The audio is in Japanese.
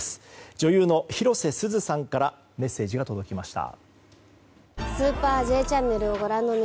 女優の広瀬すずさんからメッセージが届きました。